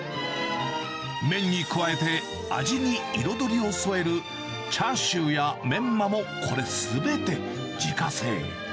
麺に加えて、味に彩りを添えるチャーシューやメンマも、これすべて自家製。